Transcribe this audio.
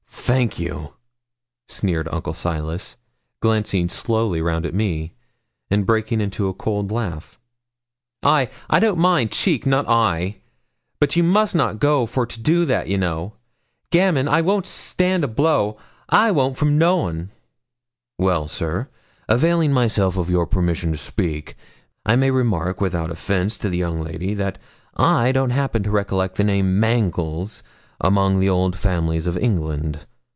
Thank you,' sneered Uncle Silas, glancing slowly round at me, and breaking into a cold laugh. 'Ay, I don't mind cheek, not I; but you must not go for to do that, ye know. Gammon. I won't stand a blow I won't fro no one.' 'Well, sir, availing myself of your permission to speak, I may remark, without offence to the young lady, that I don't happen to recollect the name Mangles among the old families of England.